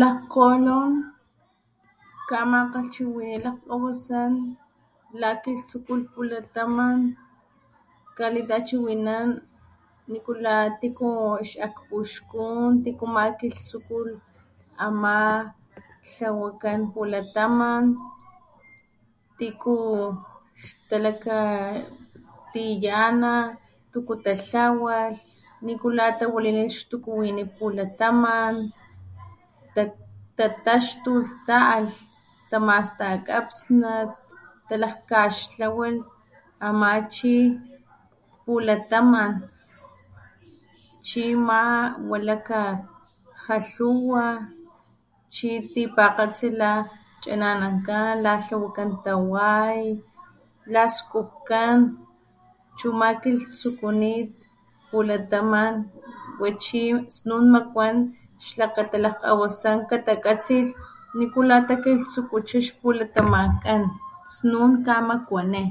Lakgkgolon kamakgalhchiwini lakkgawasan lakilhtsukulh pulataman kalitachiwinan nikula, tiku xakpuxkun, tiku makilhtsukulh ama tlawakan pulataman, tiku xtalakatiyana, tuku tatlawalh, nikula tawalinilh xtukuwini pulataman, tataxtulh, ta´alh taxtakga kapsnat talakgkaxtlawalh ama chi pulataman. Chi ama wilakaja lhuwa, chi tipakgatsi la chananankan, la tlawakan taway, laskujkan chu ama kilhtsukunit pulataman wa chi snun makuan xlakata lakgkgawasan katakatsilh nikula takilhtsukucha xpulatamankan snun kamakuani.